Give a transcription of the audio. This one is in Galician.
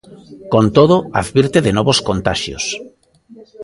Con todo, advirte de novos contaxios.